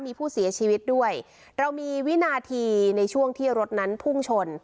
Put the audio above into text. มีผู้เสียชีวิตด้วยเรามีวินาทีในช่วงที่รถนั้นพุ่งชน